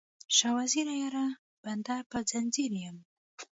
شاه وزیره یاره، بنده په ځنځیر یم